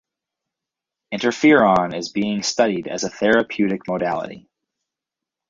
Interferon is being studied as a therapeutic modality.